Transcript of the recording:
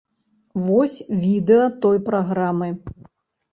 Вось відэа той праграмы.